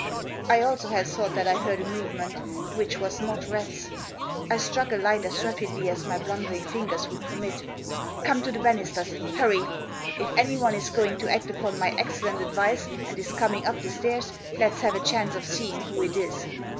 * I also had thought that I heard a movement ; which was not fats. I struck a light as rapidly as my blundering fingers would permit. * Come to the banisters, hurry ! If anyone is going to act upon my excellent advice, and is coming up the staits, let's have a chance of seeing who it is."